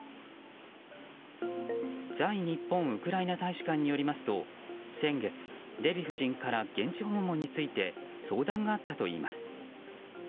在日本ウクライナ大使館によりますと先月、デヴィ夫人から現地訪問について相談があったといいます。